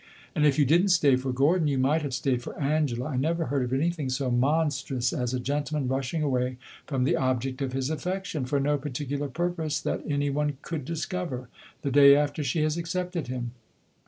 And if you did n't stay for Gordon, you might have staid for Angela. I never heard of anything so monstrous as a gentleman rushing away from the object of his affection, for no particular purpose that any one could discover, the day after she has accepted him.